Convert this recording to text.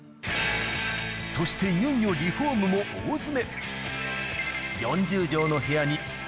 そしていよいよリフォームも大詰め。